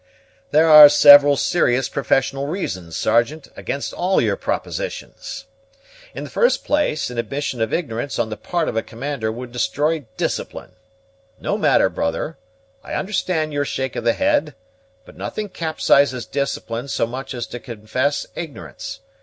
"There are several serious professional reasons, Sergeant, against all your propositions. In the first place, an admission of ignorance on the part of a commander would destroy discipline. No matter, brother; I understand your shake of the head, but nothing capsizes discipline so much as to confess ignorance.